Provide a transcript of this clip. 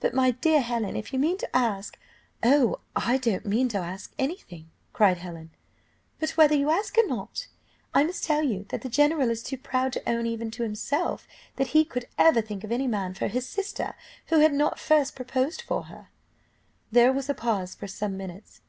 But, my dear Helen, if you mean to ask " "Oh, I don't mean to ask any thing," cried Helen. "But, whether you ask or not, I must tell you that the general is too proud to own, even to himself, that he could; ever think of any man for his sister who had not first proposed for her." There was a pause for some minutes.